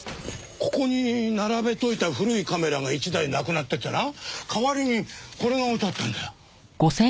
ここに並べといた古いカメラが１台なくなっててな代わりにこれが置いてあったんだよ。